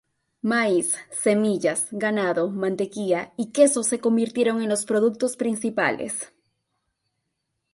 Maíz, semillas, ganado, mantequilla, y queso se convirtieron en los productos principales.